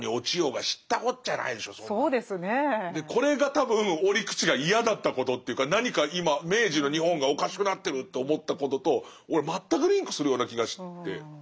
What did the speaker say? でこれが多分折口が嫌だったことっていうか何か今明治の日本がおかしくなってると思ったことと俺全くリンクするような気がして。